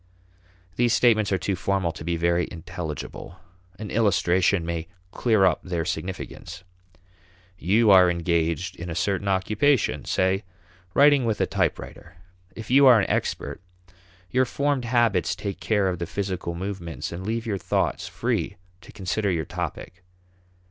These statements are too formal to be very intelligible. An illustration may clear up their significance. You are engaged in a certain occupation, say writing with a typewriter. If you are an expert, your formed habits take care of the physical movements and leave your thoughts free to consider your topic.